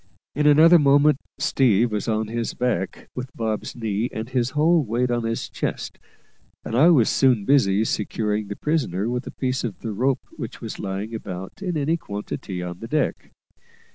In another moment "Steve" was on his back, with Bob's knee and his whole weight on his chest; and I was soon busy securing the prisoner with a piece of the rope which was lying about in any quantity on the deck.